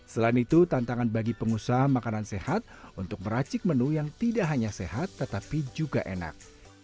selain itu tantangan bagi pengusaha makanan sehat untuk meracik menu yang tidak hanya sehat tetapi juga enak